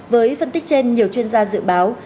với phân tích trên nhiều chuyên gia dự báo